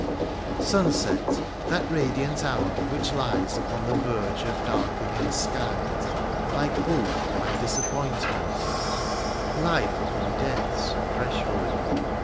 Sunset, — ^that radiant hour which lies Upon the verge of darkening skies Like hope by disappointment ; life Upon death's threshold.